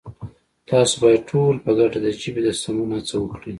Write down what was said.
تاسو بايد ټول په گډه د ژبې د سمون هڅه وکړئ!